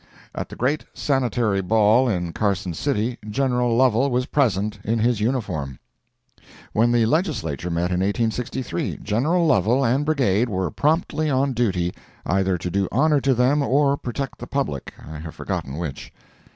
At the great Sanitary Ball in Carson City, General Lovel was present in his uniform. When the Legislature met in 1863, General Lovel and brigade were promptly on duty, either to do honor to them or protect the public, I have forgotten which.